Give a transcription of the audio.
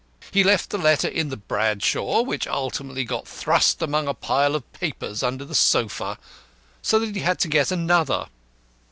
He left the letter in the 'Bradshaw,' which ultimately got thrust among a pile of papers under the sofa, so that he had to get another.